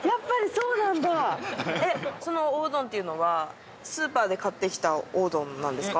そのおうどんっていうのはスーパーで買ってきたおうどんなんですか？